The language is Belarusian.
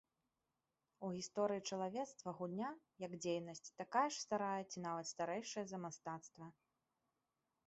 У гісторыі чалавецтва гульня, як дзейнасць, такая ж старая ці нават старэйшая за мастацтва.